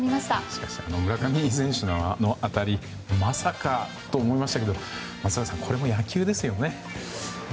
しかし村上選手のあの当たりまさかと思いましたけど松坂さん、これが野球ですよね。